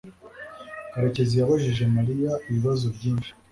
karekezi yabajije mariya ibibazo byinshi